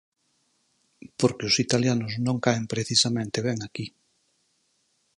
Porque os italianos non caen precisamente ben aquí.